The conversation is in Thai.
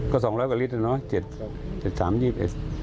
ก็๒๐๐กว่าลิตรนะ๗๓จีบ